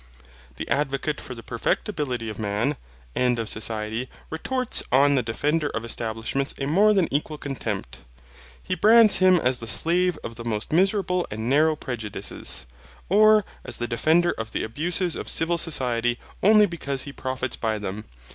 The advocate for the perfectibility of man, and of society, retorts on the defender of establishments a more than equal contempt. He brands him as the slave of the most miserable and narrow prejudices; or as the defender of the abuses of civil society only because he profits by them.